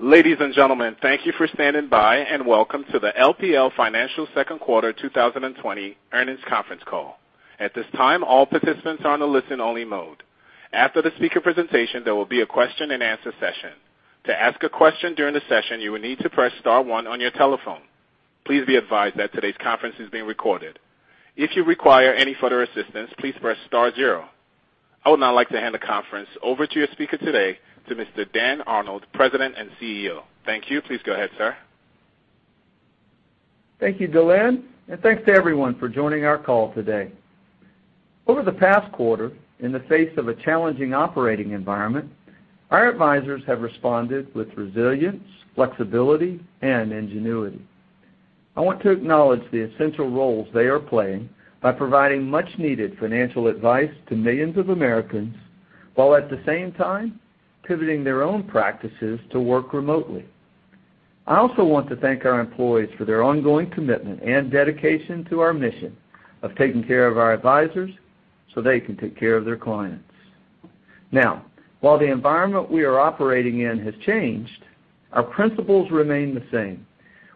Ladies and gentlemen, thank you for standing by and welcome to the LPL Financial second quarter 2020 earnings conference call. At this time, all participants are on a listen-only mode. After the speaker presentation, there will be a question-and-answer session. To ask a question during the session, you will need to press star one on your telephone. Please be advised that today's conference is being recorded. If you require any further assistance, please press star zero. I would now like to hand the conference over to your speaker today, to Mr. Dan Arnold, President and CEO. Thank you. Please go ahead, sir. Thank you, Dylan, and thanks to everyone for joining our call today. Over the past quarter, in the face of a challenging operating environment, our advisors have responded with resilience, flexibility, and ingenuity. I want to acknowledge the essential roles they are playing by providing much-needed financial advice to millions of Americans, while at the same time pivoting their own practices to work remotely. I also want to thank our employees for their ongoing commitment and dedication to our mission of taking care of our advisors so they can take care of their clients. Now, while the environment we are operating in has changed, our principles remain the same.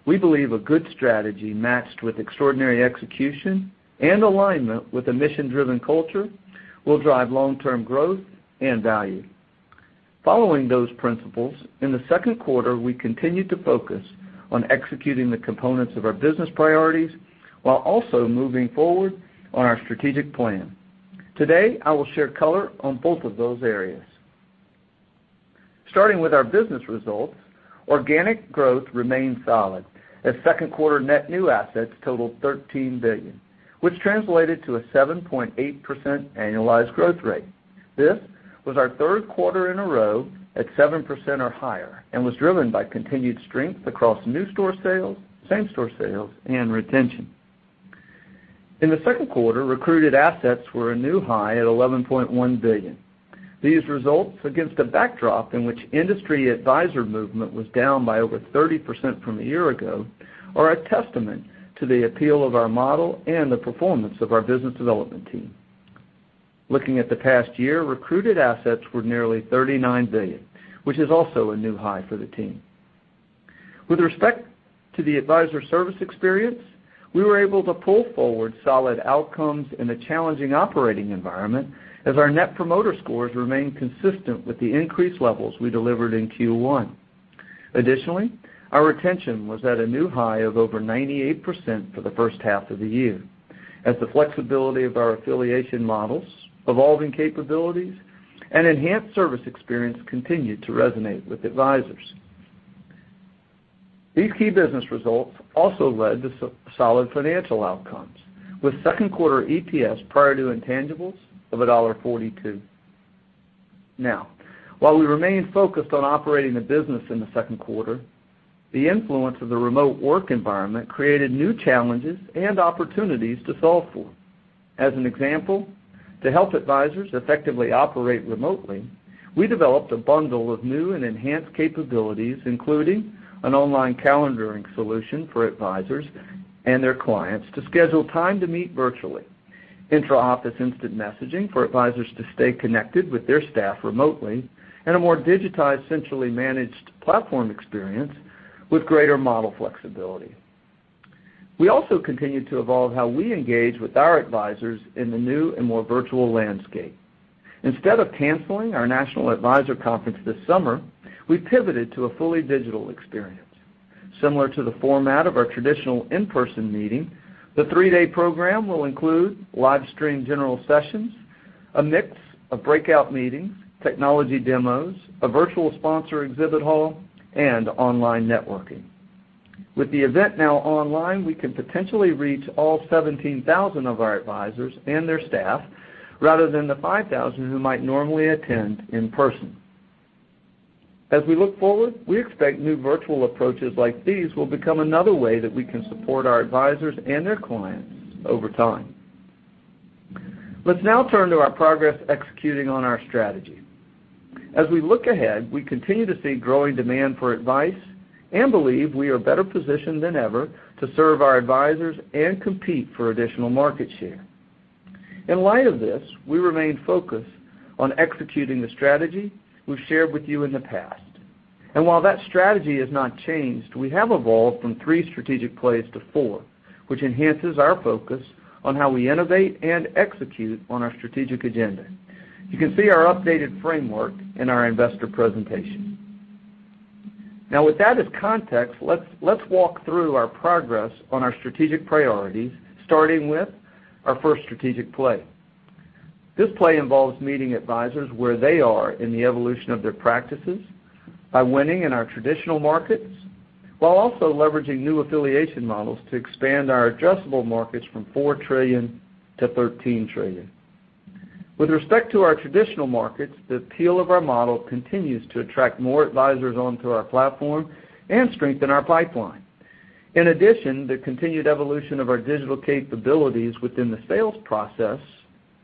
We believe a good strategy matched with extraordinary execution and alignment with a mission-driven culture will drive long-term growth and value. Following those principles, in the second quarter, we continue to focus on executing the components of our business priorities while also moving forward on our strategic plan. Today, I will share color on both of those areas. Starting with our business results, organic growth remained solid as second quarter net new assets totaled $13 billion, which translated to a 7.8% annualized growth rate. This was our third quarter in a row at 7% or higher and was driven by continued strength across new store sales, same-store sales, and retention. In the second quarter, recruited assets were a new high at $11.1 billion. These results, against a backdrop in which industry advisor movement was down by over 30% from a year ago, are a testament to the appeal of our model and the performance of our business development team. Looking at the past year, recruited assets were nearly $39 billion, which is also a new high for the team. With respect to the advisor service experience, we were able to pull forward solid outcomes in a challenging operating environment as our Net Promoter Scores remained consistent with the increased levels we delivered in Q1. Additionally, our retention was at a new high of over 98% for the first half of the year as the flexibility of our affiliation models, evolving capabilities, and enhanced service experience continued to resonate with advisors. These key business results also led to solid financial outcomes, with second quarter EPS prior to intangibles of $1.42. Now, while we remained focused on operating the business in the second quarter, the influence of the remote work environment created new challenges and opportunities to solve for. As an example, to help advisors effectively operate remotely, we developed a bundle of new and enhanced capabilities, including an online calendaring solution for advisors and their clients to schedule time to meet virtually, intra-office instant messaging for advisors to stay connected with their staff remotely, and a more digitized, centrally managed platform experience with greater model flexibility. We also continue to evolve how we engage with our advisors in the new and more virtual landscape. Instead of canceling our national advisor conference this summer, we pivoted to a fully digital experience. Similar to the format of our traditional in-person meeting, the three-day program will include live stream general sessions, a mix of breakout meetings, technology demos, a virtual sponsor exhibit hall, and online networking. With the event now online, we can potentially reach all 17,000 of our advisors and their staff rather than the 5,000 who might normally attend in person. As we look forward, we expect new virtual approaches like these will become another way that we can support our advisors and their clients over time. Let's now turn to our progress executing on our strategy. As we look ahead, we continue to see growing demand for advice and believe we are better positioned than ever to serve our advisors and compete for additional market share. In light of this, we remain focused on executing the strategy we've shared with you in the past, and while that strategy has not changed, we have evolved from three strategic plays to four, which enhances our focus on how we innovate and execute on our strategic agenda. You can see our updated framework in our investor presentation. Now, with that as context, let's walk through our progress on our strategic priorities, starting with our first strategic play. This play involves meeting advisors where they are in the evolution of their practices by winning in our traditional markets while also leveraging new affiliation models to expand our addressable markets from $4 trillion-$13 trillion. With respect to our traditional markets, the appeal of our model continues to attract more advisors onto our platform and strengthen our pipeline. In addition, the continued evolution of our digital capabilities within the sales process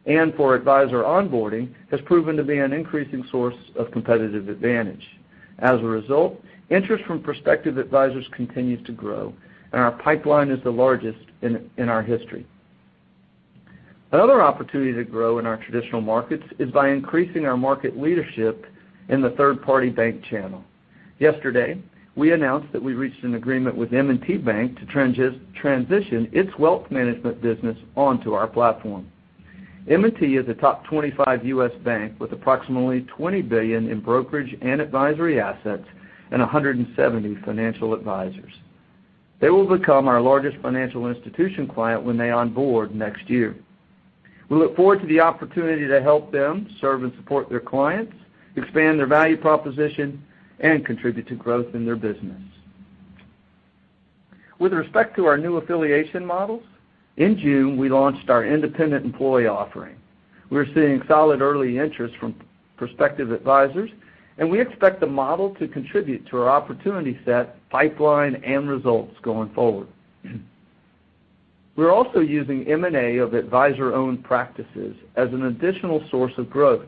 and for advisor onboarding has proven to be an increasing source of competitive advantage. As a result, interest from prospective advisors continues to grow, and our pipeline is the largest in our history. Another opportunity to grow in our traditional markets is by increasing our market leadership in the third-party bank channel. Yesterday, we announced that we reached an agreement with M&T Bank to transition its wealth management business onto our platform. M&T is a top 25 U.S. bank with approximately $20 billion in brokerage and advisory assets and 170 financial advisors. They will become our largest financial institution client when they onboard next year. We look forward to the opportunity to help them serve and support their clients, expand their value proposition, and contribute to growth in their business. With respect to our new affiliation models, in June, we launched our independent employee offering. We're seeing solid early interest from prospective advisors, and we expect the model to contribute to our opportunity set, pipeline, and results going forward. We're also using M&A of advisor-owned practices as an additional source of growth.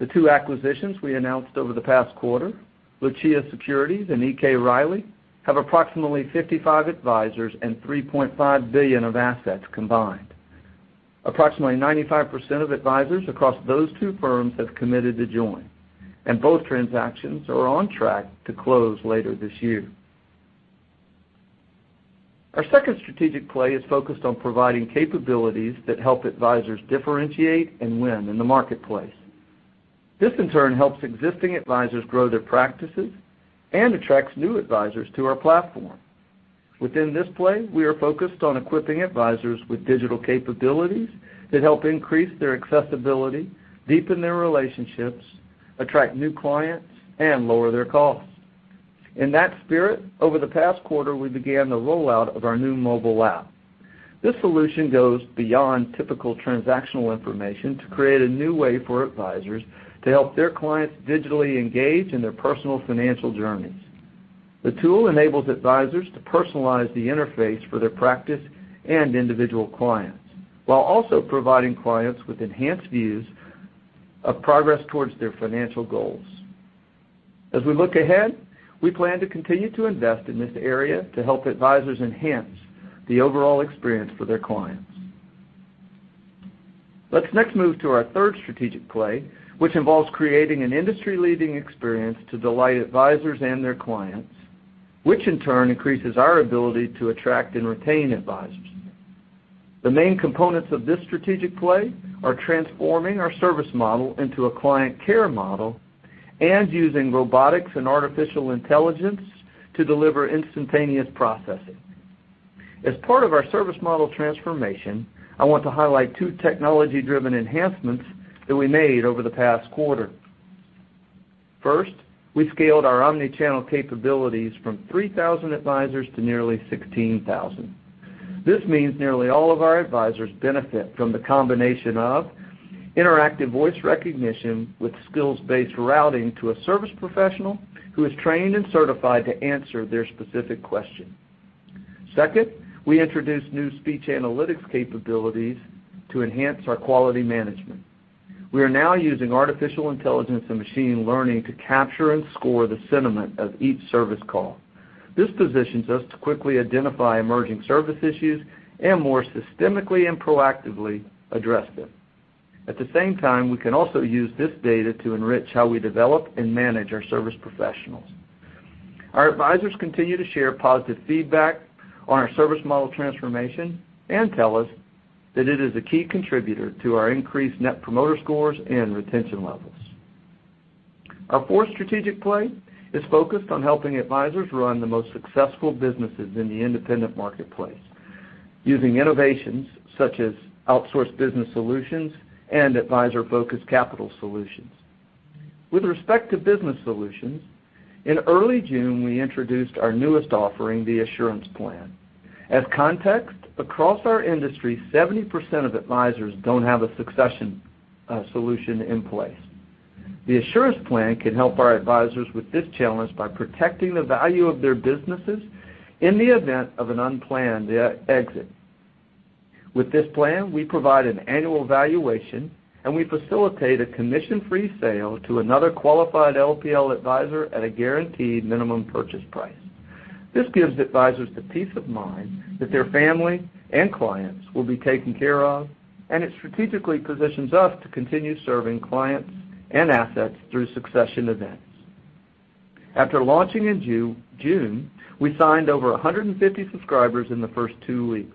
The two acquisitions we announced over the past quarter, Lucia Securities and E.K. Riley, have approximately 55 advisors and $3.5 billion of assets combined. Approximately 95% of advisors across those two firms have committed to join, and both transactions are on track to close later this year. Our second strategic play is focused on providing capabilities that help advisors differentiate and win in the marketplace. This, in turn, helps existing advisors grow their practices and attracts new advisors to our platform. Within this play, we are focused on equipping advisors with digital capabilities that help increase their accessibility, deepen their relationships, attract new clients, and lower their costs. In that spirit, over the past quarter, we began the rollout of our new mobile app. This solution goes beyond typical transactional information to create a new way for advisors to help their clients digitally engage in their personal financial journeys. The tool enables advisors to personalize the interface for their practice and individual clients while also providing clients with enhanced views of progress towards their financial goals. As we look ahead, we plan to continue to invest in this area to help advisors enhance the overall experience for their clients. Let's next move to our third strategic play, which involves creating an industry-leading experience to delight advisors and their clients, which in turn increases our ability to attract and retain advisors. The main components of this strategic play are transforming our service model into a client care model and using robotics and artificial intelligence to deliver instantaneous processing. As part of our service model transformation, I want to highlight two technology-driven enhancements that we made over the past quarter. First, we scaled our omnichannel capabilities from 3,000 advisors to nearly 16,000. This means nearly all of our advisors benefit from the combination of interactive voice recognition with skills-based routing to a service professional who is trained and certified to answer their specific question. Second, we introduced new speech analytics capabilities to enhance our quality management. We are now using artificial intelligence and machine learning to capture and score the sentiment of each service call. This positions us to quickly identify emerging service issues and more systemically and proactively address them. At the same time, we can also use this data to enrich how we develop and manage our service professionals. Our advisors continue to share positive feedback on our service model transformation and tell us that it is a key contributor to our increased Net Promoter Scores and retention levels. Our fourth strategic play is focused on helping advisors run the most successful businesses in the independent marketplace using innovations such as outsourced Business Solutions and advisor-focused capital solutions. With respect to Business Solutions, in early June, we introduced our newest offering, the Assurance Plan. As context, across our industry, 70% of advisors don't have a succession solution in place. The Assurance Plan can help our advisors with this challenge by protecting the value of their businesses in the event of an unplanned exit. With this plan, we provide an annual valuation, and we facilitate a commission-free sale to another qualified LPL advisor at a guaranteed minimum purchase price. This gives advisors the peace of mind that their family and clients will be taken care of, and it strategically positions us to continue serving clients and assets through succession events. After launching in June, we signed over 150 subscribers in the first two weeks.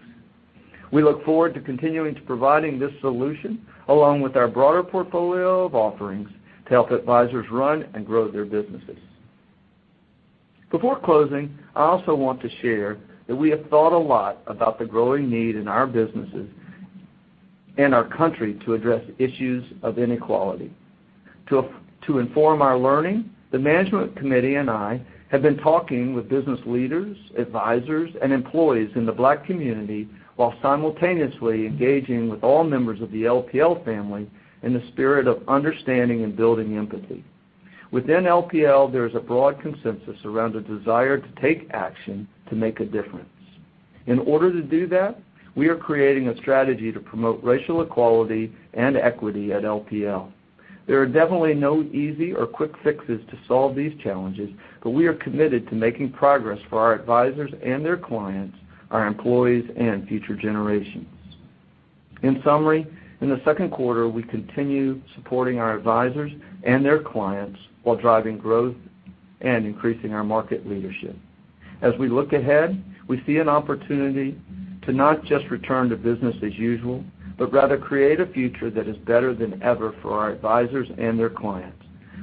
We look forward to continuing to provide this solution along with our broader portfolio of offerings to help advisors run and grow their businesses. Before closing, I also want to share that we have thought a lot about the growing need in our businesses and our country to address issues of inequality. To inform our learning, the management committee and I have been talking with business leaders, advisors, and employees in the Black community while simultaneously engaging with all members of the LPL family in the spirit of understanding and building empathy. Within LPL, there is a broad consensus around a desire to take action to make a difference. In order to do that, we are creating a strategy to promote racial equality and equity at LPL. There are definitely no easy or quick fixes to solve these challenges, but we are committed to making progress for our advisors and their clients, our employees, and future generations. In summary, in the second quarter, we continue supporting our advisors and their clients while driving growth and increasing our market leadership. As we look ahead, we see an opportunity to not just return to business as usual, but rather create a future that is better than ever for our advisors and their clients.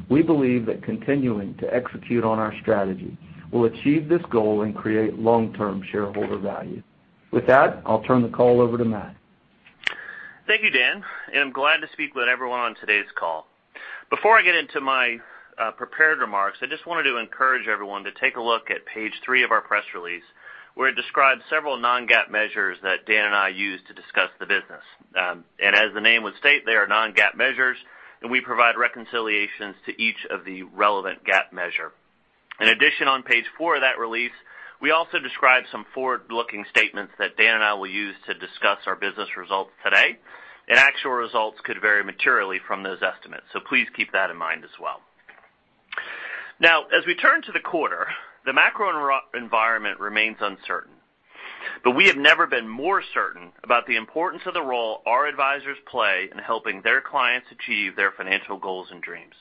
We believe that continuing to execute on our strategy will achieve this goal and create long-term shareholder value. With that, I'll turn the call over to Matt. Thank you, Dan. And I'm glad to speak with everyone on today's call. Before I get into my prepared remarks, I just wanted to encourage everyone to take a look at page three of our press release where it describes several non-GAAP measures that Dan and I used to discuss the business. And as the name would state, they are non-GAAP measures, and we provide reconciliations to each of the relevant GAAP measures. In addition, on page four of that release, we also describe some forward-looking statements that Dan and I will use to discuss our business results today, and actual results could vary materially from those estimates. So please keep that in mind as well. Now, as we turn to the quarter, the macro environment remains uncertain, but we have never been more certain about the importance of the role our advisors play in helping their clients achieve their financial goals and dreams.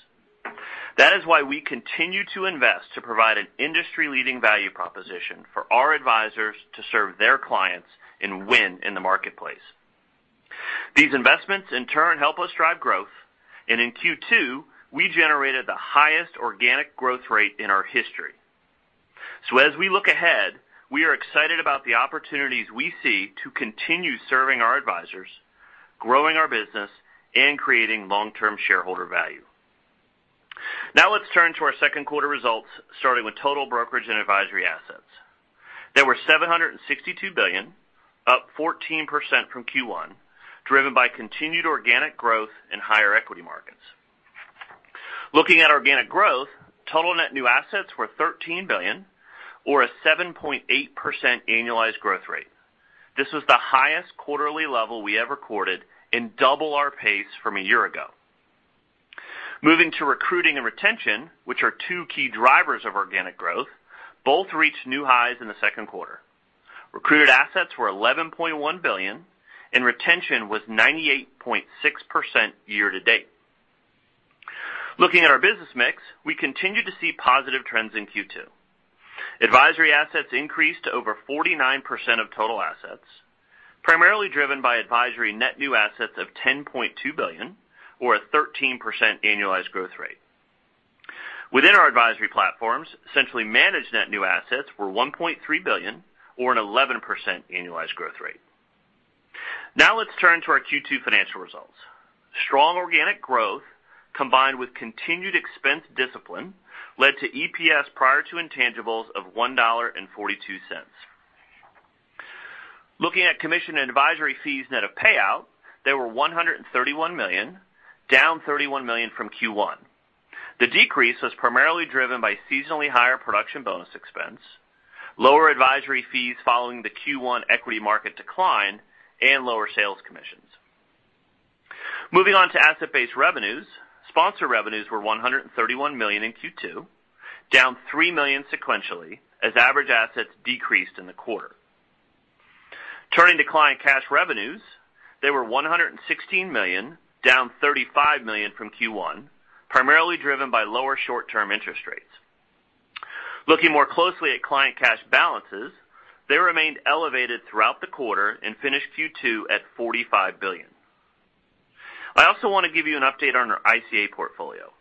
That is why we continue to invest to provide an industry-leading value proposition for our advisors to serve their clients and win in the marketplace. These investments, in turn, help us drive growth, and in Q2, we generated the highest organic growth rate in our history. So as we look ahead, we are excited about the opportunities we see to continue serving our advisors, growing our business, and creating long-term shareholder value. Now, let's turn to our second quarter results, starting with total brokerage and advisory assets. They were $762 billion, up 14% from Q1, driven by continued organic growth in higher equity markets. Looking at organic growth, total net new assets were $13 billion, or a 7.8% annualized growth rate. This was the highest quarterly level we ever quoted in double our pace from a year ago. Moving to recruiting and retention, which are two key drivers of organic growth, both reached new highs in the second quarter. Recruited assets were $11.1 billion, and retention was 98.6% year to date. Looking at our business mix, we continue to see positive trends in Q2. Advisory assets increased to over 49% of total assets, primarily driven by advisory net new assets of $10.2 billion, or a 13% annualized growth rate. Within our advisory platforms, centrally managed net new assets were $1.3 billion, or an 11% annualized growth rate. Now, let's turn to our Q2 financial results. Strong organic growth combined with continued expense discipline led to EPS prior to intangibles of $1.42. Looking at commission and advisory fees net of payout, they were $131 million, down $31 million from Q1. The decrease was primarily driven by seasonally higher production bonus expense, lower advisory fees following the Q1 equity market decline, and lower sales commissions. Moving on to asset-based revenues, sponsor revenues were $131 million in Q2, down $3 million sequentially as average assets decreased in the quarter. Turning to client cash revenues, they were $116 million, down $35 million from Q1, primarily driven by lower short-term interest rates. Looking more closely at client cash balances, they remained elevated throughout the quarter and finished Q2 at $45 billion. I also want to give you an update on our ICA portfolio.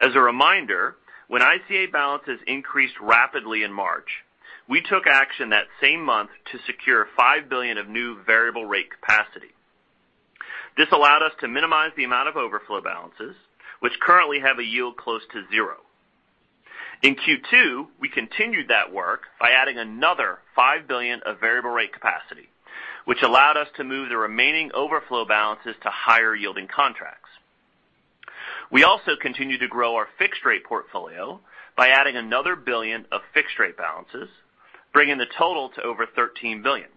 As a reminder, when ICA balances increased rapidly in March, we took action that same month to secure $5 billion of new variable-rate capacity. This allowed us to minimize the amount of overflow balances, which currently have a yield close to zero. In Q2, we continued that work by adding another 5 billion of variable-rate capacity, which allowed us to move the remaining overflow balances to higher-yielding contracts. We also continued to grow our fixed-rate portfolio by adding another billion of fixed-rate balances, bringing the total to over $13 billion.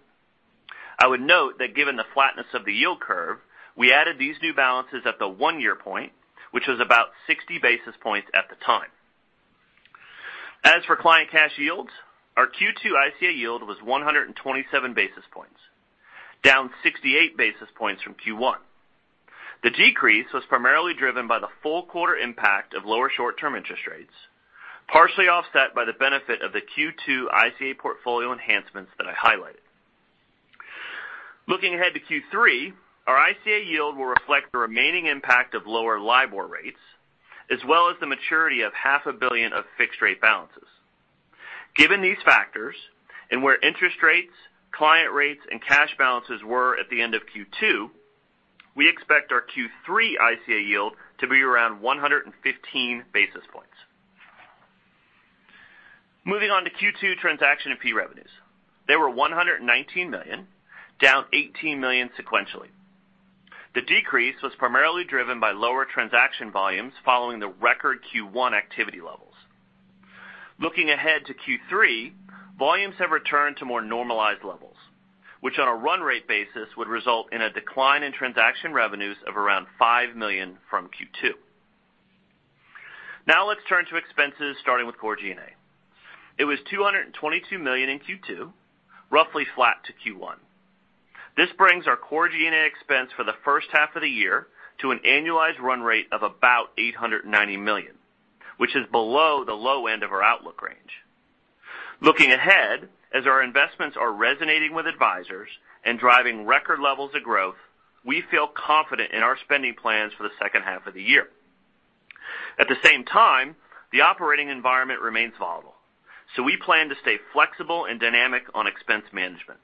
I would note that given the flatness of the yield curve, we added these new balances at the one-year point, which was about 60 basis points at the time. As for client cash yields, our Q2 ICA yield was 127 basis points, down 68 basis points from Q1. The decrease was primarily driven by the full quarter impact of lower short-term interest rates, partially offset by the benefit of the Q2 ICA portfolio enhancements that I highlighted. Looking ahead to Q3, our ICA yield will reflect the remaining impact of lower LIBOR rates, as well as the maturity of $500 million of fixed-rate balances. Given these factors and where interest rates, client rates, and cash balances were at the end of Q2, we expect our Q3 ICA yield to be around 115 basis points. Moving on to Q2 transaction and fee revenues, they were $119 million, down $18 million sequentially. The decrease was primarily driven by lower transaction volumes following the record Q1 activity levels. Looking ahead to Q3, volumes have returned to more normalized levels, which on a run rate basis would result in a decline in transaction revenues of around $5 million from Q2. Now, let's turn to expenses starting with core G&A. It was $222 million in Q2, roughly flat to Q1. This brings our core G&A expense for the first half of the year to an annualized run rate of about $890 million, which is below the low end of our outlook range. Looking ahead, as our investments are resonating with advisors and driving record levels of growth, we feel confident in our spending plans for the second half of the year. At the same time, the operating environment remains volatile, so we plan to stay flexible and dynamic on expense management.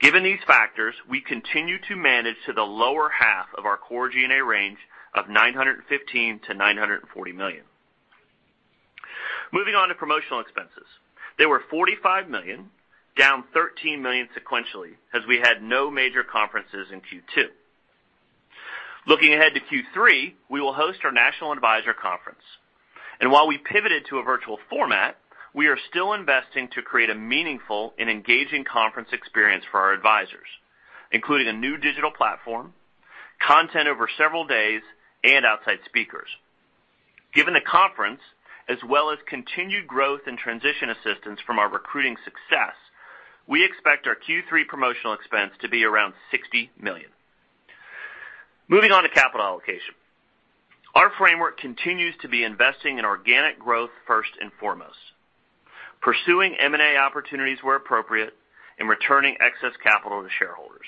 Given these factors, we continue to manage to the lower half of our core G&A range of $915 million-$940 million. Moving on to promotional expenses, they were $45 million, down $13 million sequentially as we had no major conferences in Q2. Looking ahead to Q3, we will host our national advisor conference. And while we pivoted to a virtual format, we are still investing to create a meaningful and engaging conference experience for our advisors, including a new digital platform, content over several days, and outside speakers. Given the conference, as well as continued growth and transition assistance from our recruiting success, we expect our Q3 promotional expense to be around $60 million. Moving on to capital allocation, our framework continues to be investing in organic growth first and foremost, pursuing M&A opportunities where appropriate, and returning excess capital to shareholders.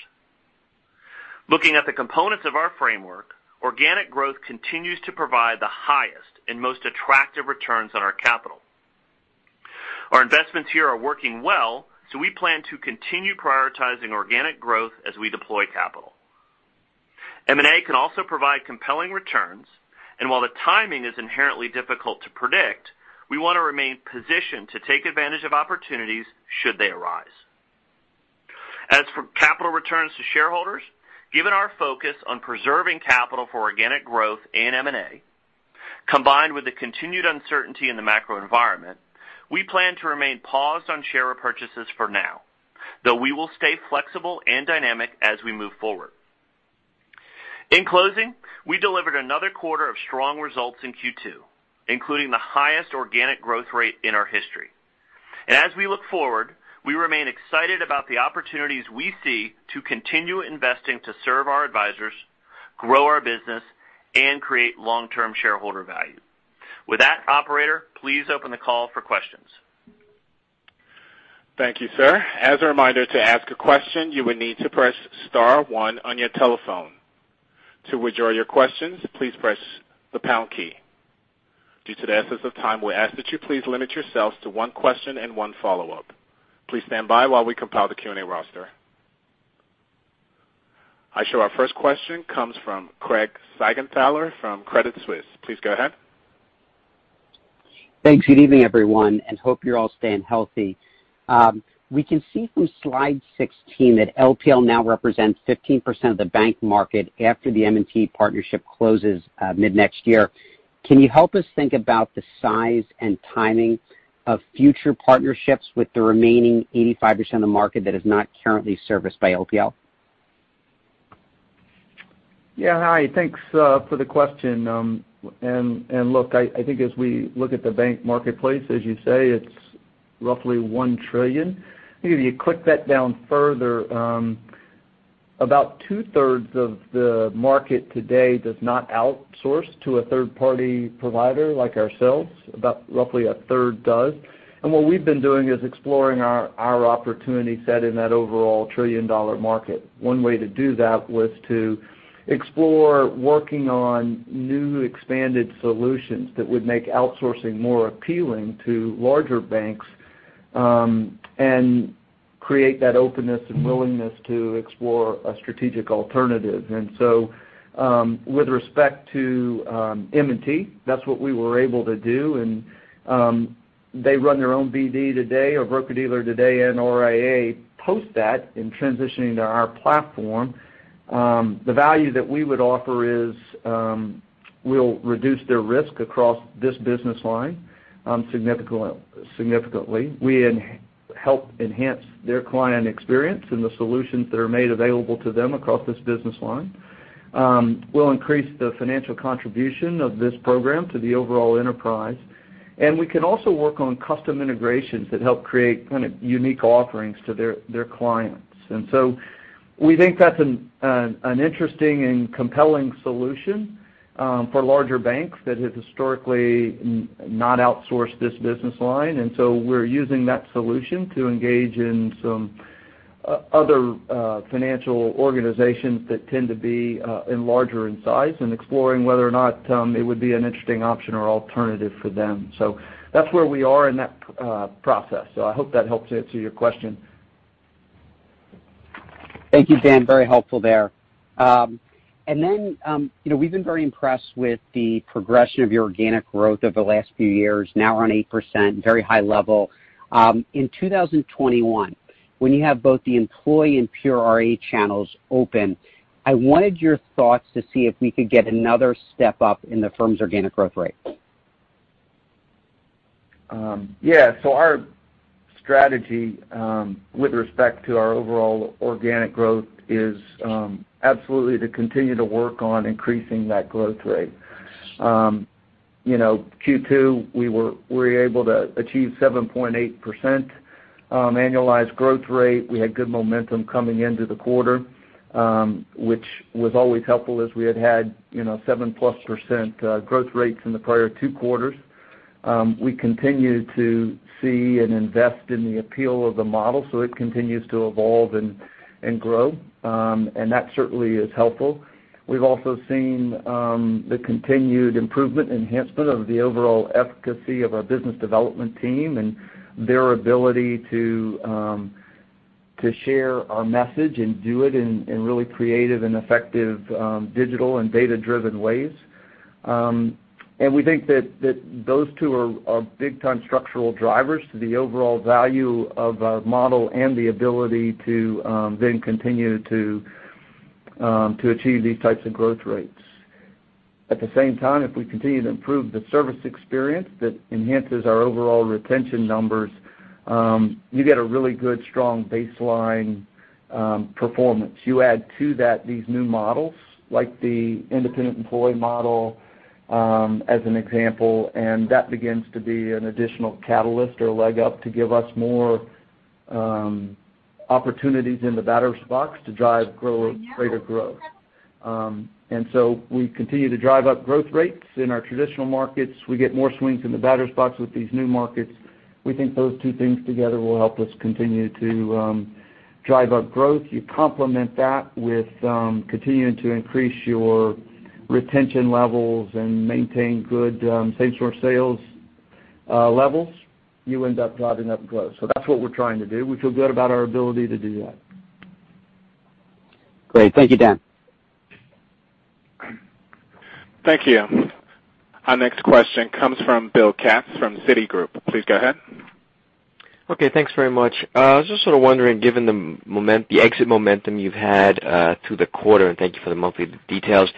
Looking at the components of our framework, organic growth continues to provide the highest and most attractive returns on our capital. Our investments here are working well, so we plan to continue prioritizing organic growth as we deploy capital. M&A can also provide compelling returns, and while the timing is inherently difficult to predict, we want to remain positioned to take advantage of opportunities should they arise. As for capital returns to shareholders, given our focus on preserving capital for organic growth and M&A, combined with the continued uncertainty in the macro environment, we plan to remain paused on share purchases for now, though we will stay flexible and dynamic as we move forward. In closing, we delivered another quarter of strong results in Q2, including the highest organic growth rate in our history. And as we look forward, we remain excited about the opportunities we see to continue investing to serve our advisors, grow our business, and create long-term shareholder value. With that, Operator, please open the call for questions. Thank you, sir. As a reminder, to ask a question, you would need to press star one on your telephone. To withdraw your questions, please press the pound key. Due to the press of time, we ask that you please limit yourselves to one question and one follow-up. Please stand by while we compile the Q&A roster. Our first question comes from Craig Siegenthaler from Credit Suisse. Please go ahead. Thanks. Good evening, everyone, and hope you're all staying healthy. We can see from slide 16 that LPL now represents 15% of the bank market after the M&T partnership closes mid-next year. Can you help us think about the size and timing of future partnerships with the remaining 85% of the market that is not currently serviced by LPL? Yeah. Hi. Thanks for the question. And look, I think as we look at the bank marketplace, as you say, it's roughly $1 trillion. If you click that down further, about 2/3 of the market today does not outsource to a third-party provider like ourselves. About roughly 1/3 does. And what we've been doing is exploring our opportunity set in that overall $1 trillion-dollar market. One way to do that was to explore working on new expanded solutions that would make outsourcing more appealing to larger banks and create that openness and willingness to explore a strategic alternative. And so with respect to M&T, that's what we were able to do. And they run their own BD today, a broker-dealer today, and RIA post that in transitioning to our platform. The value that we would offer is we'll reduce their risk across this business line significantly. We help enhance their client experience and the solutions that are made available to them across this business line. We'll increase the financial contribution of this program to the overall enterprise. And we can also work on custom integrations that help create kind of unique offerings to their clients. And so we think that's an interesting and compelling solution for larger banks that have historically not outsourced this business line. And so we're using that solution to engage in some other financial organizations that tend to be larger in size and exploring whether or not it would be an interesting option or alternative for them. So that's where we are in that process. So I hope that helps answer your question. Thank you, Dan. Very helpful there. And then we've been very impressed with the progression of your organic growth over the last few years, now around 8%, very high level. In 2021, when you have both the employee and pure RIA channels open, I wanted your thoughts to see if we could get another step up in the firm's organic growth rate. Yeah. So our strategy with respect to our overall organic growth is absolutely to continue to work on increasing that growth rate. Q2, we were able to achieve 7.8% annualized growth rate. We had good momentum coming into the quarter, which was always helpful as we had had 7+ % growth rates in the prior two quarters. We continue to see and invest in the appeal of the model, so it continues to evolve and grow. And that certainly is helpful. We've also seen the continued improvement and enhancement of the overall efficacy of our business development team and their ability to share our message and do it in really creative and effective digital and data-driven ways. And we think that those two are big-time structural drivers to the overall value of our model and the ability to then continue to achieve these types of growth rates. At the same time, if we continue to improve the service experience that enhances our overall retention numbers, you get a really good, strong baseline performance. You add to that these new models like the Independent Employee model as an example, and that begins to be an additional catalyst or leg up to give us more opportunities in the batter's box to drive greater growth. And so we continue to drive up growth rates in our traditional markets. We get more swings in the batter's box with these new markets. We think those two things together will help us continue to drive up growth. You complement that with continuing to increase your retention levels and maintain good same-store sales levels. You end up driving up growth. So that's what we're trying to do. We feel good about our ability to do that. Great. Thank you, Dan. Thank you. Our next question comes from Bill Katz from Citigroup. Please go ahead. Okay. Thanks very much. I was just sort of wondering, given the exit momentum you've had through the quarter, and thank you for the monthly details,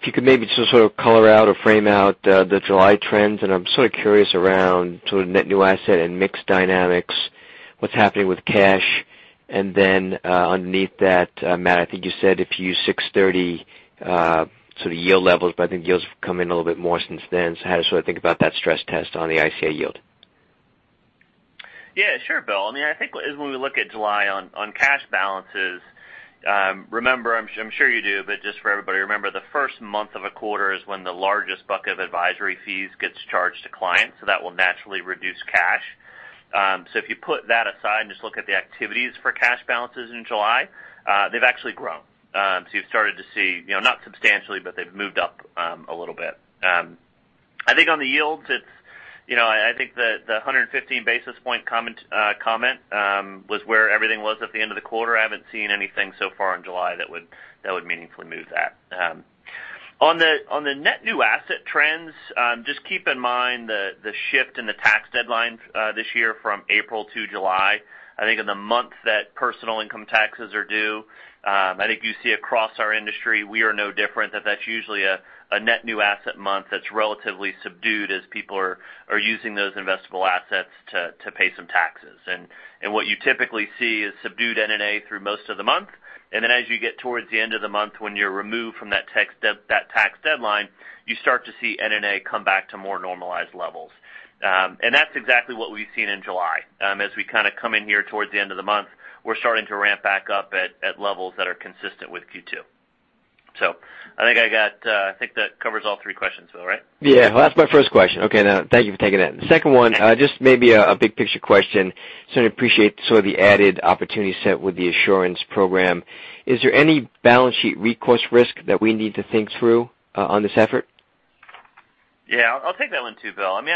if you could maybe just sort of color out or frame out the July trends. And I'm sort of curious around sort of net new asset and mixed dynamics, what's happening with cash. And then underneath that, Matt, I think you said if you use 630 sort of yield levels, but I think yields have come in a little bit more since then. So how do you sort of think about that stress test on the ICA yield? Yeah. Sure, Bill. I mean, I think when we look at July on cash balances, remember, I'm sure you do, but just for everybody, remember the first month of a quarter is when the largest bucket of advisory fees gets charged to clients. So that will naturally reduce cash. So if you put that aside and just look at the activities for cash balances in July, they've actually grown. So you've started to see not substantially, but they've moved up a little bit. I think on the yields, I think the 115 basis point comment was where everything was at the end of the quarter. I haven't seen anything so far in July that would meaningfully move that. On the net new asset trends, just keep in mind the shift in the tax deadline this year from April to July. I think in the month that personal income taxes are due, I think you see across our industry, we are no different. That's usually a net new asset month that's relatively subdued as people are using those investable assets to pay some taxes. And what you typically see is subdued NNA through most of the month. And then as you get towards the end of the month when you're removed from that tax deadline, you start to see NNA come back to more normalized levels. And that's exactly what we've seen in July. As we kind of come in here towards the end of the month, we're starting to ramp back up at levels that are consistent with Q2. So I think that covers all three questions, Bill, right? Yeah. That's my first question. Okay. Thank you for taking that. The second one, just maybe a big-picture question. Certainly appreciate sort of the added opportunity set with the assurance program. Is there any balance sheet recourse risk that we need to think through on this effort? Yeah. I'll take that one too, Bill. I mean,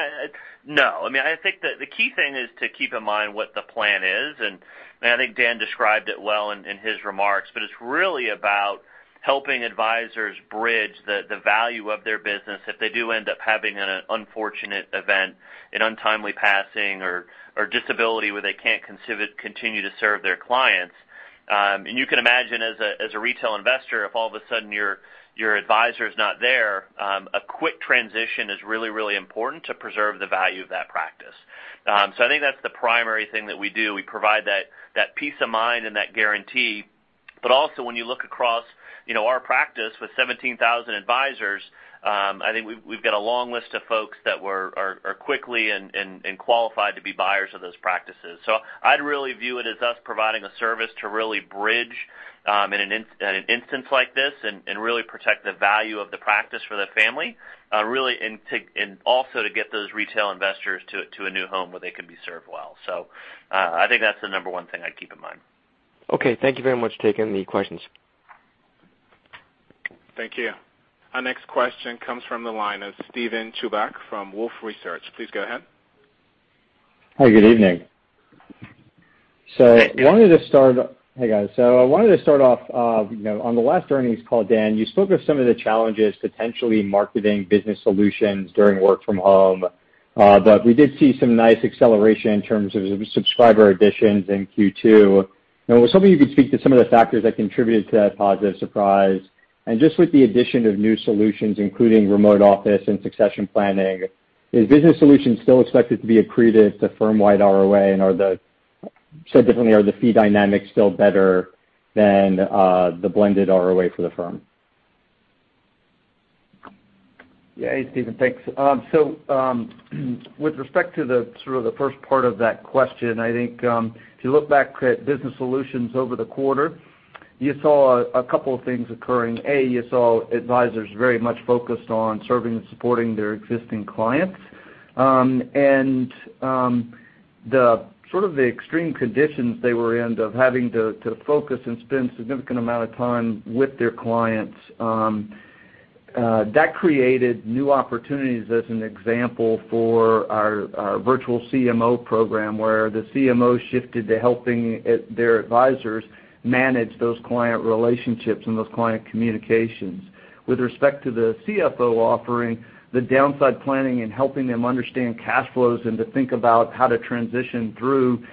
no. I mean, I think the key thing is to keep in mind what the plan is. And I think Dan described it well in his remarks, but it's really about helping advisors bridge the value of their business if they do end up having an unfortunate event, an untimely passing, or disability where they can't continue to serve their clients. And you can imagine as a retail investor, if all of a sudden your advisor is not there, a quick transition is really, really important to preserve the value of that practice. So I think that's the primary thing that we do. We provide that peace of mind and that guarantee. But also when you look across our practice with 17,000 advisors, I think we've got a long list of folks that are quickly and qualified to be buyers of those practices. So I'd really view it as us providing a service to really bridge in an instance like this and really protect the value of the practice for the family, really, and also to get those retail investors to a new home where they can be served well. So I think that's the number one thing I'd keep in mind. Okay. Thank you very much for taking the questions. Thank you. Our next question comes from the line of Steven Chubak from Wolfe Research. Please go ahead. Hi. Good evening. Hey, guys. So I wanted to start off on the last earnings call, Dan. You spoke of some of the challenges potentially marketing Business Solutions during work from home. But we did see some nice acceleration in terms of subscriber additions in Q2. I was hoping you could speak to some of the factors that contributed to that positive surprise, and just with the addition of new solutions, including remote office and succession planning, is business solution still expected to be accretive to firm-wide ROA, and said differently, are the fee dynamics still better than the blended ROA for the firm? Yeah. Hey, Steven. Thanks, so with respect to sort of the first part of that question, I think if you look back at Business Solutions over the quarter, you saw a couple of things occurring. A, you saw advisors very much focused on serving and supporting their existing clients. And sort of the extreme conditions they were in of having to focus and spend a significant amount of time with their clients, that created new opportunities as an example for our Virtual CMO program where the CMO shifted to helping their advisors manage those client relationships and those client communications. With respect to the CFO offering, the downside planning and helping them understand cash flows and to think about how to transition through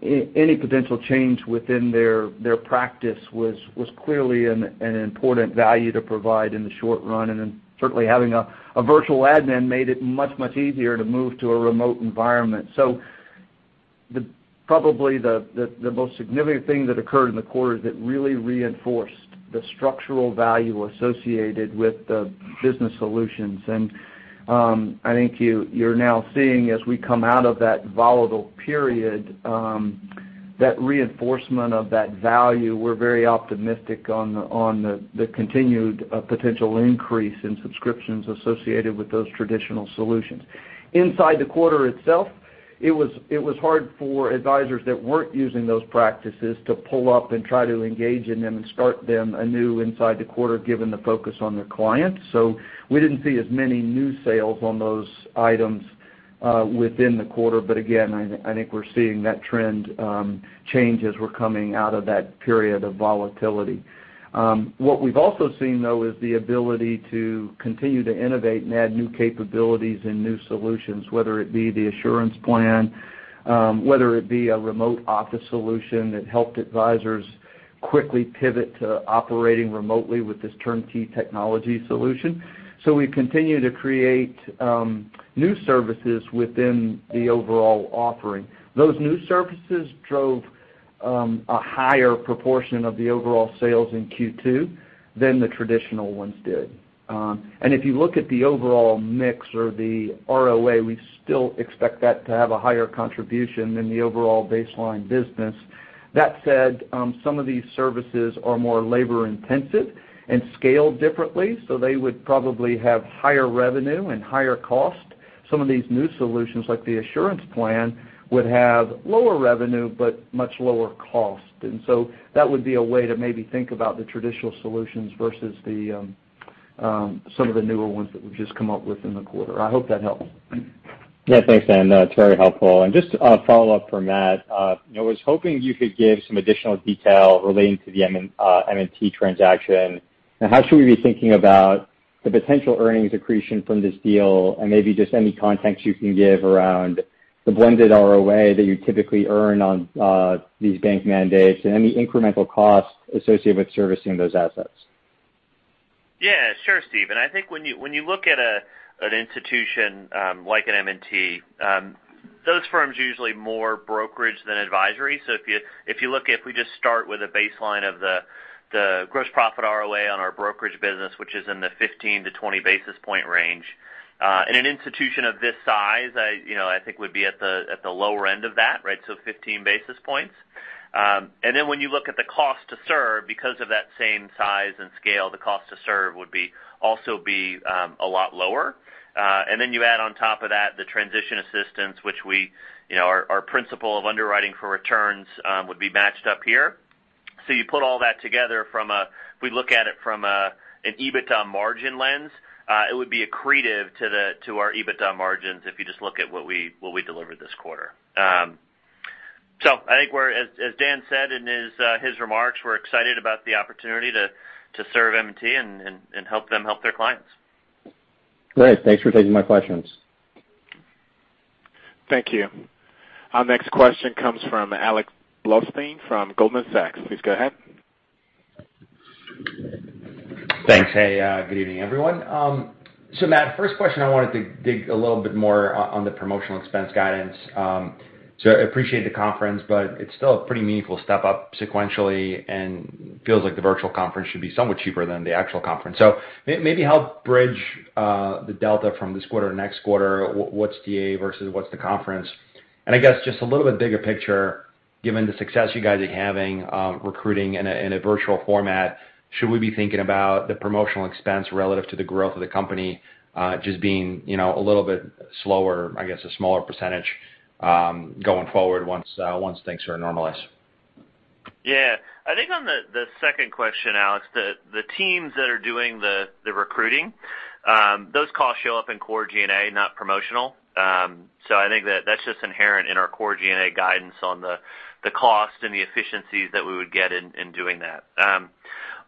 any potential change within their practice was clearly an important value to provide in the short run. And then certainly having a virtual admin made it much, much easier to move to a remote environment. So probably the most significant thing that occurred in the quarter that really reinforced the structural value associated with the Business Solutions. I think you're now seeing as we come out of that volatile period, that reinforcement of that value. We're very optimistic on the continued potential increase in subscriptions associated with those traditional solutions. Inside the quarter itself, it was hard for advisors that weren't using those practices to pull up and try to engage in them and start them anew inside the quarter given the focus on their clients. So we didn't see as many new sales on those items within the quarter. But again, I think we're seeing that trend change as we're coming out of that period of volatility. What we've also seen, though, is the ability to continue to innovate and add new capabilities and new solutions, whether it be the Assurance Plan, whether it be a remote office solution that helped advisors quickly pivot to operating remotely with this turnkey technology solution. So we've continued to create new services within the overall offering. Those new services drove a higher proportion of the overall sales in Q2 than the traditional ones did. And if you look at the overall mix or the ROA, we still expect that to have a higher contribution than the overall baseline business. That said, some of these services are more labor-intensive and scaled differently, so they would probably have higher revenue and higher cost. Some of these new solutions like the assurance plan would have lower revenue but much lower cost. And so that would be a way to maybe think about the traditional solutions versus some of the newer ones that we've just come up with in the quarter. I hope that helps. Yeah. Thanks, Dan. That's very helpful. Just a follow-up from that. I was hoping you could give some additional detail relating to the M&T transaction. How should we be thinking about the potential earnings accretion from this deal and maybe just any context you can give around the blended ROA that you typically earn on these bank mandates and any incremental cost associated with servicing those assets? Yeah. Sure, Steven. I think when you look at an institution like an M&T, those firms are usually more brokerage than advisory. So if you look at we just start with a baseline of the gross profit ROA on our brokerage business, which is in the 15 basis points-20 basis point range, in an institution of this size, I think would be at the lower end of that, right? So 15 basis points. And then when you look at the cost to serve, because of that same size and scale, the cost to serve would also be a lot lower. And then you add on top of that the transition assistance, which our principal of underwriting for returns would be matched up here. So you put all that together from a, if we look at it from an EBITDA margin lens, it would be accretive to our EBITDA margins if you just look at what we delivered this quarter. So I think we're, as Dan said in his remarks, we're excited about the opportunity to serve M&T and help them help their clients. Great. Thanks for taking my questions. Thank you. Our next question comes from Alex Blostein from Goldman Sachs. Please go ahead. Thanks. Hey, good evening, everyone. Matt, first question. I wanted to dig a little bit more on the promotional expense guidance. I appreciate the conference, but it's still a pretty meaningful step up sequentially and feels like the virtual conference should be somewhat cheaper than the actual conference. Maybe help bridge the delta from this quarter to next quarter. What's TA versus what's the conference? And I guess just a little bit bigger picture, given the success you guys are having recruiting in a virtual format, should we be thinking about the promotional expense relative to the growth of the company just being a little bit slower, I guess a smaller percentage going forward once things sort of normalize? Yeah. I think on the second question, Alex, the teams that are doing the recruiting, those costs show up in core G&A, not promotional. So I think that that's just inherent in our core G&A guidance on the cost and the efficiencies that we would get in doing that.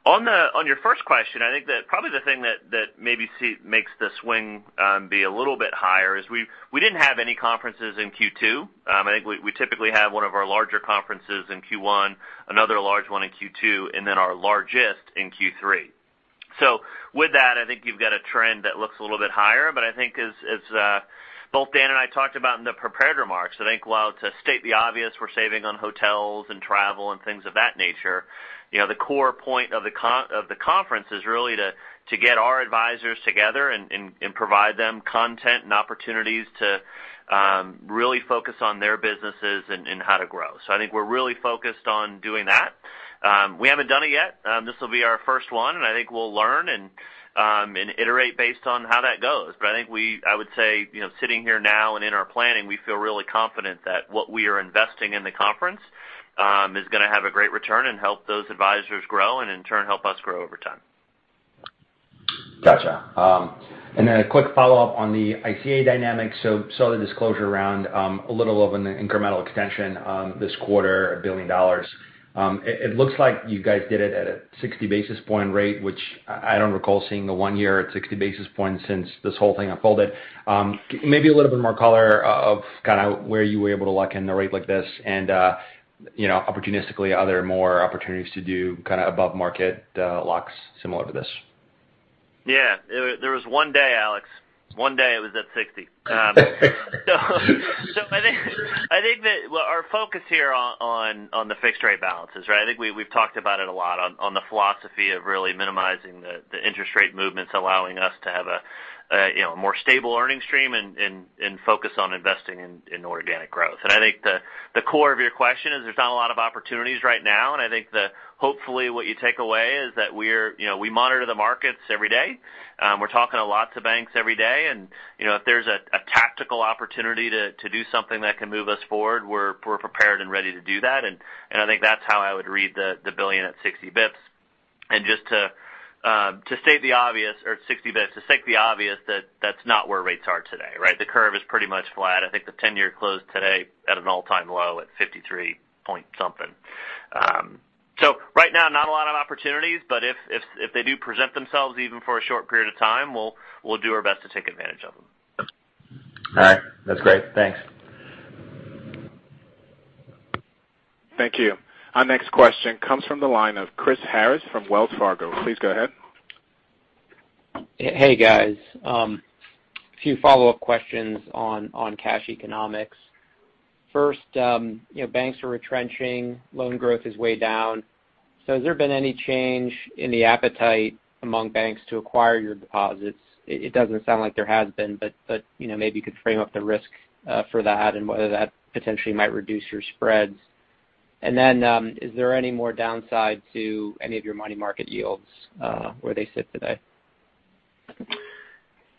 On your first question, I think that probably the thing that maybe makes the swing be a little bit higher is we didn't have any conferences in Q2. I think we typically have one of our larger conferences in Q1, another large one in Q2, and then our largest in Q3. So with that, I think you've got a trend that looks a little bit higher. But I think as both Dan and I talked about in the prepared remarks, I think while it's a state of the obvious, we're saving on hotels and travel and things of that nature. The core point of the conference is really to get our advisors together and provide them content and opportunities to really focus on their businesses and how to grow. So I think we're really focused on doing that. We haven't done it yet. This will be our first one. And I think we'll learn and iterate based on how that goes. But I think I would say sitting here now and in our planning, we feel really confident that what we are investing in the conference is going to have a great return and help those advisors grow and in turn help us grow over time. Gotcha. And then a quick follow-up on the ICA dynamic. So, the disclosure around a little of an incremental extension this quarter, $1 billion. It looks like you guys did it at a 60 basis point rate, which I don't recall seeing the one year at 60 basis points since this whole thing unfolded. Maybe a little bit more color of kind of where you were able to lock in the rate like this and opportunistically other more opportunities to do kind of above-market locks similar to this. Yeah. There was one day, Alex. One day it was at 60 basis points. So, I think that our focus here on the fixed-rate balances, right? I think we've talked about it a lot on the philosophy of really minimizing the interest rate movements, allowing us to have a more stable earnings stream and focus on investing in organic growth. I think the core of your question is there's not a lot of opportunities right now. I think hopefully what you take away is that we monitor the markets every day. We're talking to lots of banks every day. And if there's a tactical opportunity to do something that can move us forward, we're prepared and ready to do that. And I think that's how I would read the billion at 60 bps. And just to state the obvious or 60 bps, to state the obvious that that's not where rates are today, right? The curve is pretty much flat. I think the 10-year closed today at an all-time low at 53 point something. So right now, not a lot of opportunities, but if they do present themselves even for a short period of time, we'll do our best to take advantage of them. All right. That's great. Thanks. Thank you. Our next question comes from the line of Chris Harris from Wells Fargo. Please go ahead. Hey, guys. A few follow-up questions on cash economics. First, banks are retrenching. Loan growth is way down. So has there been any change in the appetite among banks to acquire your deposits? It doesn't sound like there has been, but maybe you could frame up the risk for that and whether that potentially might reduce your spreads. And then is there any more downside to any of your money market yields where they sit today?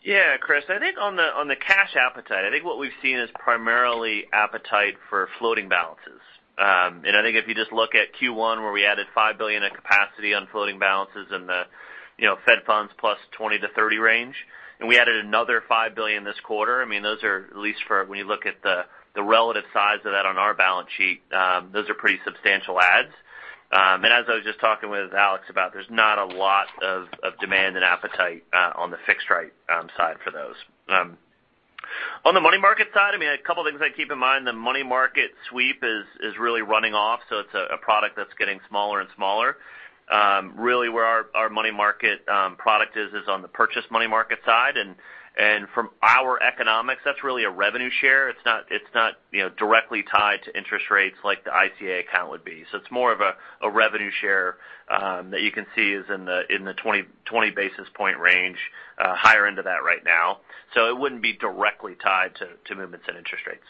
Yeah, Chris. I think on the cash appetite, I think what we've seen is primarily appetite for floating balances. And I think if you just look at Q1 where we added $5 billion of capacity on floating balances in the Fed funds plus 20-30 range, and we added another $5 billion this quarter. I mean, those are at least for when you look at the relative size of that on our balance sheet, those are pretty substantial adds. And as I was just talking with Alex about, there's not a lot of demand and appetite on the fixed-rate side for those. On the money market side, I mean, a couple of things I keep in mind. The money market sweep is really running off, so it's a product that's getting smaller and smaller. Really, where our money market product is on the purchased money market side. And from our economics, that's really a revenue share. It's not directly tied to interest rates like the ICA account would be. So it's more of a revenue share that you can see is in the 20 basis point range, higher into that right now. So it wouldn't be directly tied to movements in interest rates.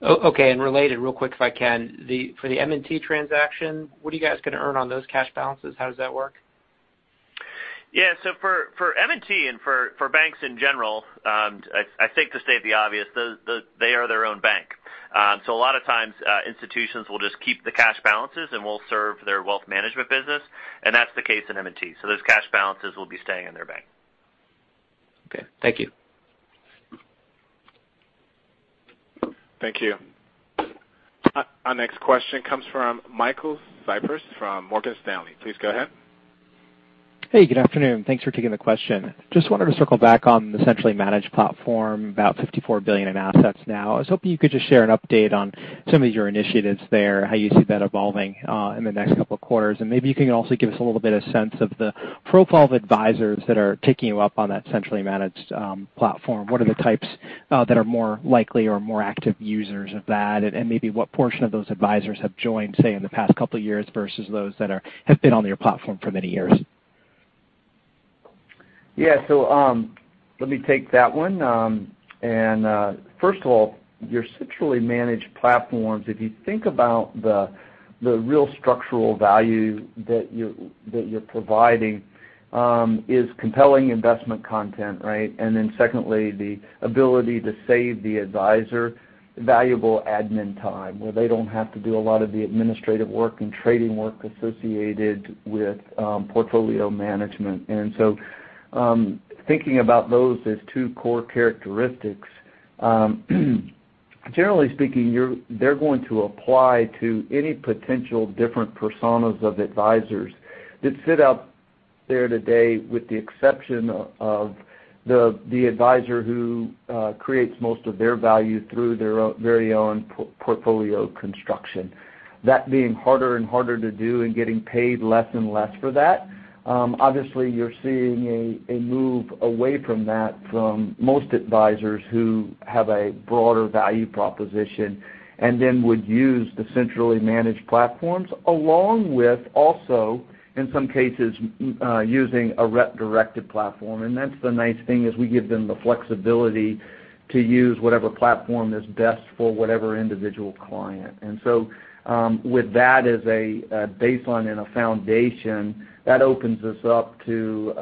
Okay. And related, real quick if I can, for the M&T transaction, what are you guys going to earn on those cash balances? How does that work? Yeah. So for M&T and for banks in general, I think to state the obvious, they are their own bank. So a lot of times, institutions will just keep the cash balances and will serve their wealth management business. And that's the case in M&T. So those cash balances will be staying in their bank. Okay. Thank you. Thank you. Our next question comes from Michael Cyprys from Morgan Stanley. Please go ahead. Hey, good afternoon. Thanks for taking the question. Just wanted to circle back on the centrally managed platform, about $54 billion in assets now. I was hoping you could just share an update on some of your initiatives there, how you see that evolving in the next couple of quarters. And maybe you can also give us a little bit of sense of the profile of advisors that are taking you up on that centrally managed platform. What are the types that are more likely or more active users of that? And maybe what portion of those advisors have joined, say, in the past couple of years versus those that have been on your platform for many years? Yeah. So let me take that one. And first of all, your centrally managed platforms, if you think about the real structural value that you're providing is compelling investment content, right? And then secondly, the ability to save the advisor valuable admin time where they don't have to do a lot of the administrative work and trading work associated with portfolio management. And so thinking about those as two core characteristics, generally speaking, they're going to apply to any potential different personas of advisors that sit out there today with the exception of the advisor who creates most of their value through their very own portfolio construction. That being harder and harder to do and getting paid less and less for that, obviously, you're seeing a move away from that from most advisors who have a broader value proposition and then would use the centrally managed platforms along with also, in some cases, using a rep-directed platform. And that's the nice thing is we give them the flexibility to use whatever platform is best for whatever individual client. And so with that as a baseline and a foundation, that opens us up to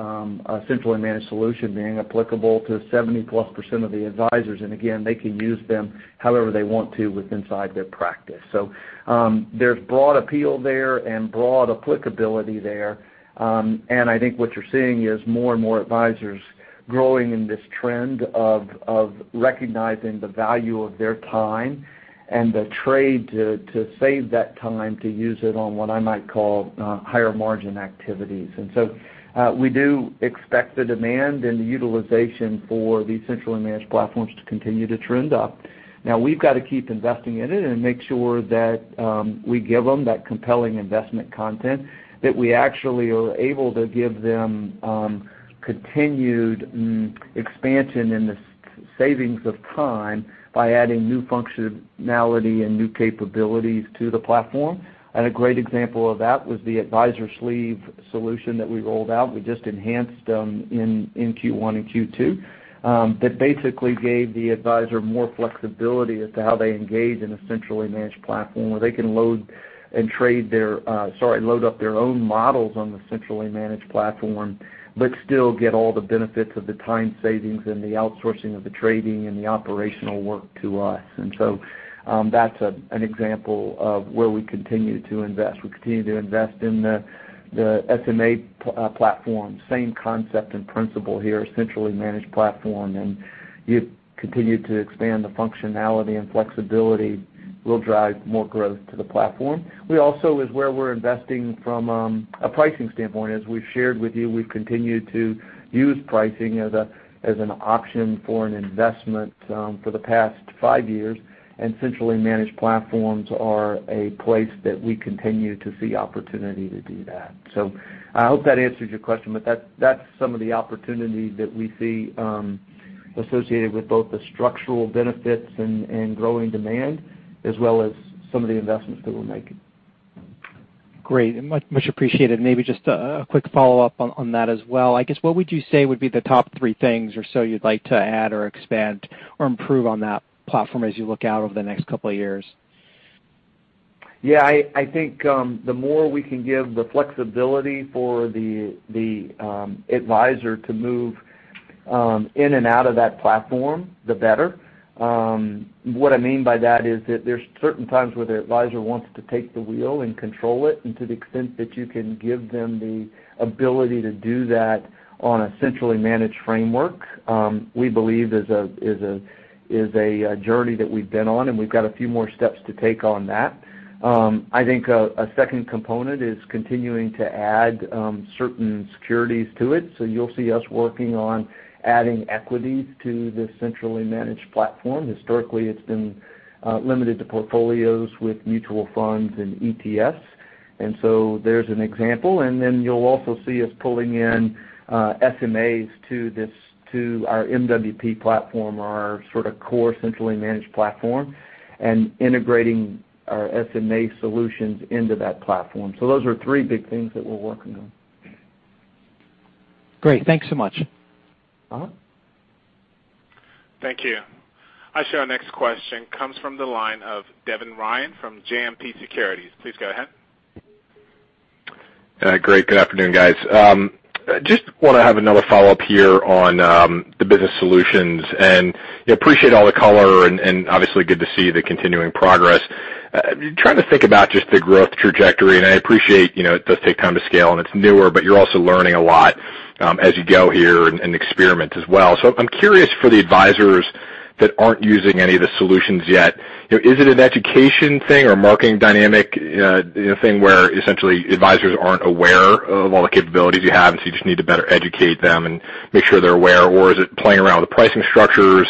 a centrally managed solution being applicable to 70+% of the advisors. And again, they can use them however they want to within their practice. So there's broad appeal there and broad applicability there. And I think what you're seeing is more and more advisors growing in this trend of recognizing the value of their time and the trade to save that time to use it on what I might call higher margin activities. And so we do expect the demand and the utilization for these centrally managed platforms to continue to trend up. Now, we've got to keep investing in it and make sure that we give them that compelling investment content, that we actually are able to give them continued expansion in the savings of time by adding new functionality and new capabilities to the platform. And a great example of that was the Advisor Sleeve solution that we rolled out. We just enhanced them in Q1 and Q2 that basically gave the advisor more flexibility as to how they engage in a centrally managed platform where they can load and trade their, sorry, load up their own models on the centrally managed platform, but still get all the benefits of the time savings and the outsourcing of the trading and the operational work to us. And so that's an example of where we continue to invest. We continue to invest in the SMA platform. Same concept and principle here, centrally managed platform. And you continue to expand the functionality and flexibility will drive more growth to the platform. We also, as where we're investing from a pricing standpoint, as we've shared with you, we've continued to use pricing as an option for an investment for the past five years. And centrally managed platforms are a place that we continue to see opportunity to do that. So I hope that answers your question, but that's some of the opportunity that we see associated with both the structural benefits and growing demand as well as some of the investments that we're making. Great. Much appreciated. Maybe just a quick follow-up on that as well. I guess what would you say would be the top three things or so you'd like to add or expand or improve on that platform as you look out over the next couple of years? Yeah. I think the more we can give the flexibility for the advisor to move in and out of that platform, the better. What I mean by that is that there's certain times where the advisor wants to take the wheel and control it. And to the extent that you can give them the ability to do that on a centrally managed framework, we believe is a journey that we've been on. And we've got a few more steps to take on that. I think a second component is continuing to add certain securities to it. So you'll see us working on adding equities to the centrally managed platform. Historically, it's been limited to portfolios with mutual funds and ETFs. And so there's an example. And then you'll also see us pulling in SMAs to our MWP platform, our sort of core centrally managed platform, and integrating our SMA solutions into that platform. So those are three big things that we're working on. Great. Thanks so much. Thank you. I'll share our next question. It comes from the line of Devin Ryan from JMP Securities. Please go ahead. Great. Good afternoon, guys. Just want to have another follow-up here on the Business Solutions, and I appreciate all the color and obviously good to see the continuing progress. Trying to think about just the growth trajectory, and I appreciate it does take time to scale and it's newer, but you're also learning a lot as you go here and experiment as well, so I'm curious for the advisors that aren't using any of the solutions yet. Is it an education thing or marketing dynamic thing where essentially advisors aren't aware of all the capabilities you have and so you just need to better educate them and make sure they're aware? Or is it playing around with the pricing structures?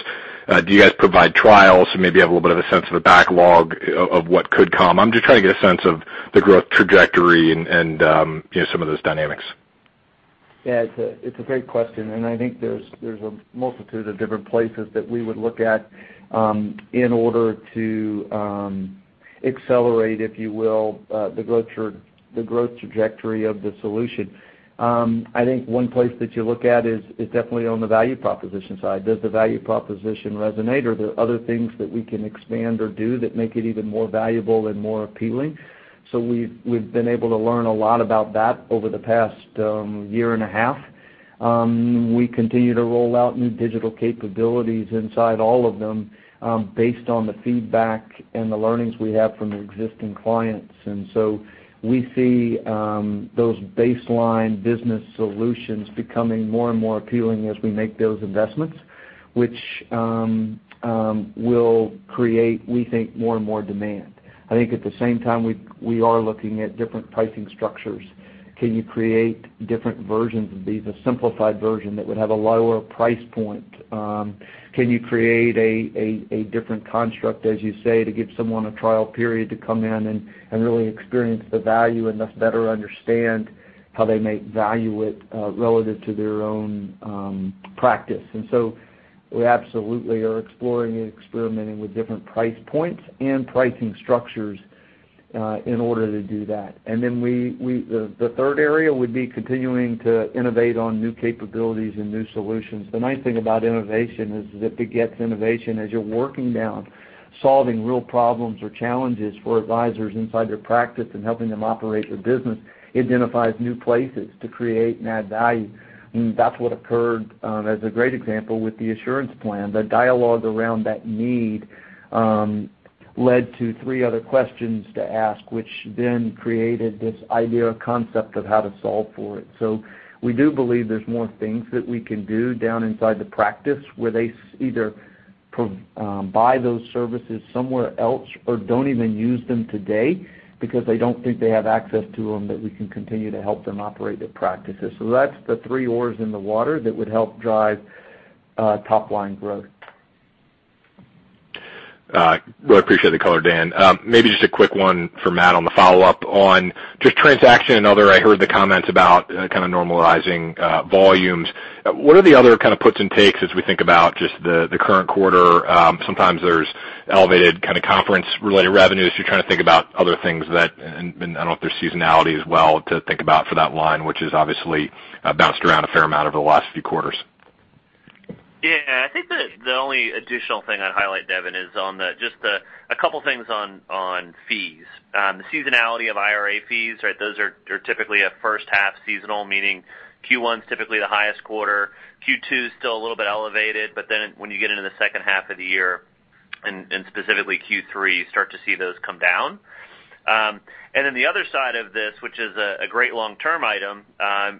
Do you guys provide trials and maybe have a little bit of a sense of the backlog of what could come? I'm just trying to get a sense of the growth trajectory and some of those dynamics. Yeah. It's a great question, and I think there's a multitude of different places that we would look at in order to accelerate, if you will, the growth trajectory of the solution. I think one place that you look at is definitely on the value proposition side. Does the value proposition resonate or are there other things that we can expand or do that make it even more valuable and more appealing, so we've been able to learn a lot about that over the past year and a half. We continue to roll out new digital capabilities inside all of them based on the feedback and the learnings we have from the existing clients. And so we see those baseline Business Solutions becoming more and more appealing as we make those investments, which will create, we think, more and more demand. I think at the same time, we are looking at different pricing structures. Can you create different versions of these? A simplified version that would have a lower price point. Can you create a different construct, as you say, to give someone a trial period to come in and really experience the value and thus better understand how they may value it relative to their own practice? And so we absolutely are exploring and experimenting with different price points and pricing structures in order to do that. And then the third area would be continuing to innovate on new capabilities and new solutions. The nice thing about innovation is that it gets innovation as you're working down, solving real problems or challenges for advisors inside their practice and helping them operate their business, identifies new places to create and add value. And that's what occurred as a great example with the Assurance Plan. The dialogue around that need led to three other questions to ask, which then created this idea or concept of how to solve for it. So we do believe there's more things that we can do down inside the practice where they either buy those services somewhere else or don't even use them today because they don't think they have access to them that we can continue to help them operate their practices. So that's the three irons in the fire that would help drive top-line growth. Well, I appreciate the color, Dan. Maybe just a quick one for Matt on the follow-up on just transaction and other. I heard the comments about kind of normalizing volumes. What are the other kind of puts and takes as we think about just the current quarter? Sometimes there's elevated kind of conference-related revenues. You're trying to think about other things that, and I don't know if there's seasonality as well to think about for that line, which has obviously bounced around a fair amount over the last few quarters. Yeah. I think the only additional thing I'd highlight, Devin, is on just a couple of things on fees. The seasonality of IRA fees, right? Those are typically a first half seasonal, meaning Q1 is typically the highest quarter. Q2 is still a little bit elevated, but then when you get into the second half of the year, and specifically Q3, you start to see those come down. And then the other side of this, which is a great long-term item,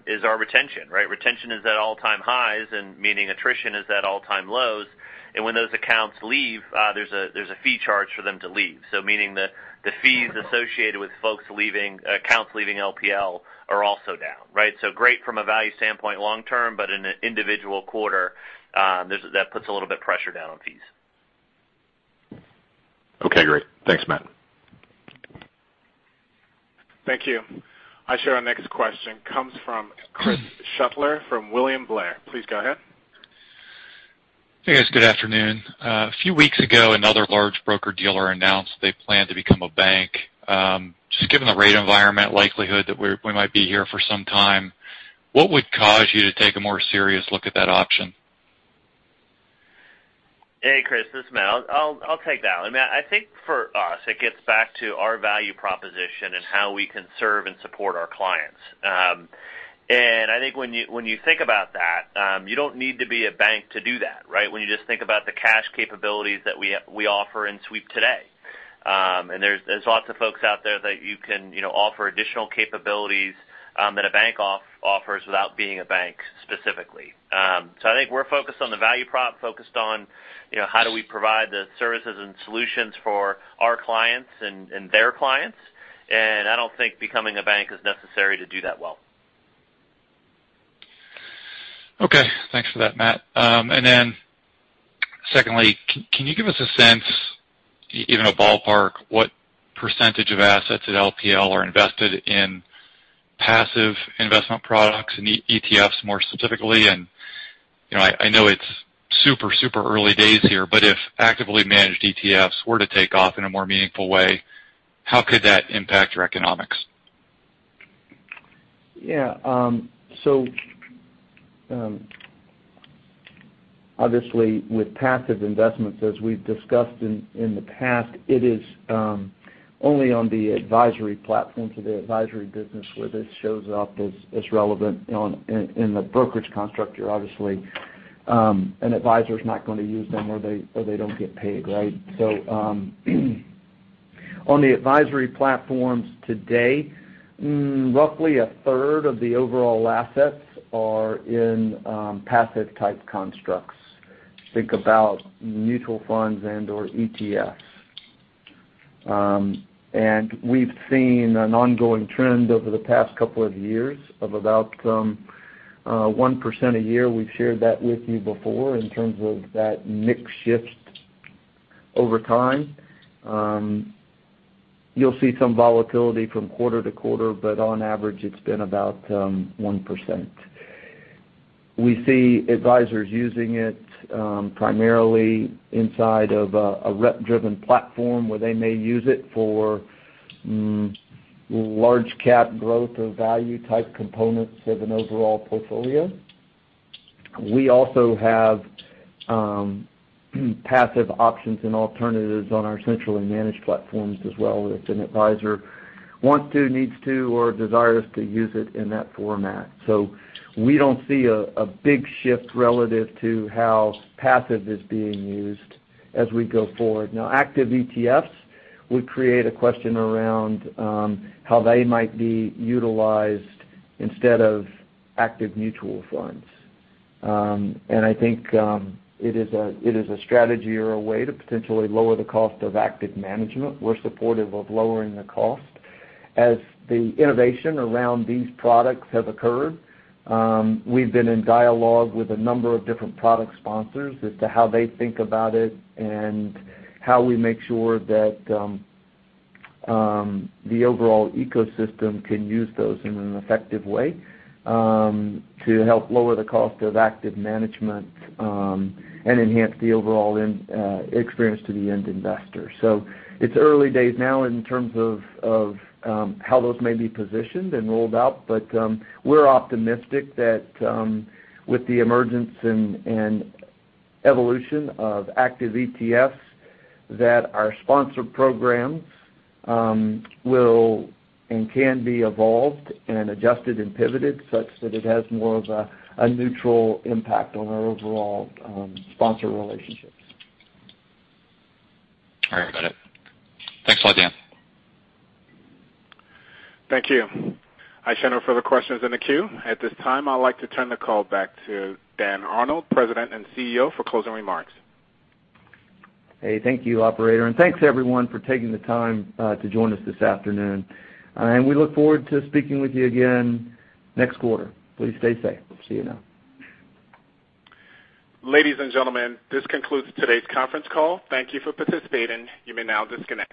is our retention, right? Retention is at all-time highs, and meaning attrition is at all-time lows. And when those accounts leave, there's a fee charge for them to leave. So meaning the fees associated with accounts leaving LPL are also down, right? So great from a value standpoint long-term, but in an individual quarter, that puts a little bit of pressure down on fees. Okay. Great. Thanks, Matt. Thank you. I'll share our next question. Comes from Chris Shutler from William Blair. Please go ahead. Hey, guys. Good afternoon. A few weeks ago, another large broker-dealer announced they planned to become a bank. Just given the rate environment likelihood that we might be here for some time, what would cause you to take a more serious look at that option? Hey, Chris. This is Matt. I'll take that one. I mean, I think for us, it gets back to our value proposition and how we can serve and support our clients. And I think when you think about that, you don't need to be a bank to do that, right? When you just think about the cash capabilities that we offer in sweep today. And there's lots of folks out there that you can offer additional capabilities that a bank offers without being a bank specifically. So I think we're focused on the value prop, focused on how do we provide the services and solutions for our clients and their clients. I don't think becoming a bank is necessary to do that well. Okay. Thanks for that, Matt. Then secondly, can you give us a sense, even a ballpark, what percentage of assets at LPL are invested in passive investment products and ETFs more specifically? I know it's super, super early days here, but if actively managed ETFs were to take off in a more meaningful way, how could that impact your economics? Yeah. Obviously, with passive investments, as we've discussed in the past, it is only on the advisory platforms or the advisory business where this shows up as relevant in the brokerage construct, obviously. An advisor is not going to use them or they don't get paid, right? On the advisory platforms today, roughly a third of the overall assets are in passive-type constructs. Think about mutual funds and/or ETFs. And we've seen an ongoing trend over the past couple of years of about 1% a year. We've shared that with you before in terms of that mix shift over time. You'll see some volatility from quarter to quarter, but on average, it's been about 1%. We see advisors using it primarily inside of a rep-driven platform where they may use it for large-cap growth or value-type components of an overall portfolio. We also have passive options and alternatives on our centrally managed platforms as well if an advisor wants to, needs to, or desires to use it in that format. So we don't see a big shift relative to how passive is being used as we go forward. Now, active ETFs would create a question around how they might be utilized instead of active mutual funds. And I think it is a strategy or a way to potentially lower the cost of active management. We're supportive of lowering the cost as the innovation around these products have occurred. We've been in dialogue with a number of different product sponsors as to how they think about it and how we make sure that the overall ecosystem can use those in an effective way to help lower the cost of active management and enhance the overall experience to the end investor. So it's early days now in terms of how those may be positioned and rolled out, but we're optimistic that with the emergence and evolution of active ETFs that our sponsor programs will and can be evolved and adjusted and pivoted such that it has more of a neutral impact on our overall sponsor relationships. All right. Got it. Thanks a lot, Dan. Thank you. There are no further questions in the queue. At this time, I'd like to turn the call back to Dan Arnold, President and CEO, for closing remarks. Hey, thank you, Operator, and thanks, everyone, for taking the time to join us this afternoon, and we look forward to speaking with you again next quarter. Please stay safe. See you soon. Ladies and gentlemen, this concludes today's conference call. Thank you for participating. You may now disconnect.